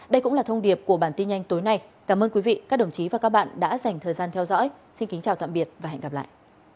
đây cũng là thông điệp của bản tin nhanh tối nay cảm ơn quý vị các đồng chí và các bạn đã dành thời gian theo dõi xin kính chào tạm biệt và hẹn gặp lại